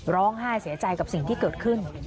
ร้องไห้เสียใจกับสิ่งที่เกิดขึ้น